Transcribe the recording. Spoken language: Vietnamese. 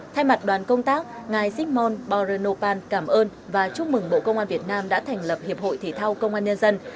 thay mặt đoàn công tác ngài sigmunt boronopan cảm ơn và chúc mừng bộ công an việt nam đã thành lập hiệp hội thể thao công an nhân dân